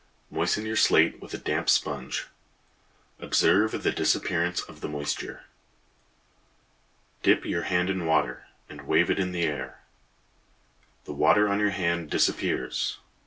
Moisten your slate with a damp sponge. Observe the disappearance of the moisture. Dip your hand in water, and wave it in the air. The water on your hand disappears.